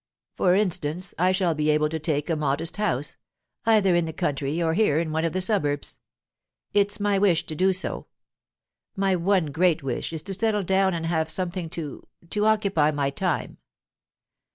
For instance, I shall be able to take a modest house, either in the country, or here in one of the suburbs. It's my wish to do so. My one great wish is to settle down and have something to to occupy my time."